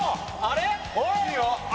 あれ？